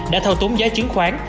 đã thao túng giá chiến khoán